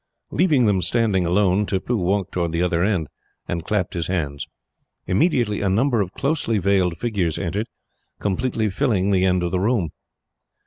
Leaving them standing alone, Tippoo walked towards the other end, and clapped his hands. Immediately, a number of closely veiled figures entered, completely filling the end of the room.